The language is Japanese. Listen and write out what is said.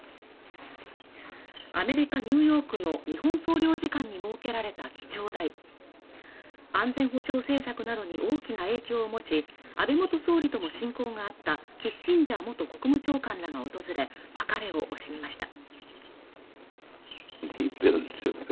アメリカニューヨークの日本総領事館に設けられた記帳台安全保障政策などに大きな影響を持ち安倍元総理とも親交があったキッシンジャー元国務長官らが訪れ別れを惜しみました